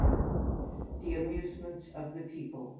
J THE AMUSEMENTS OP THE PEOPLE.